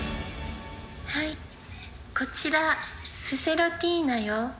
はい、こちら、スセロティーナよ。